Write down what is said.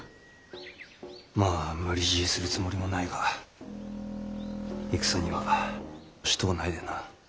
まあ無理強いするつもりもないが戦にはしとうないでな。